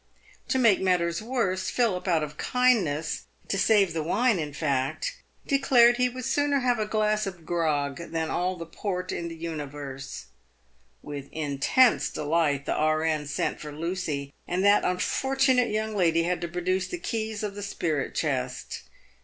To make matters worse, Philip, out of kindness — to save the wine, in fact — declared he would sooner have a glass of grog than all the port in the universe. With intense delight the R.N. sent for Lucy, and that unfortunate young lady had to produce the keys of the spirit chest.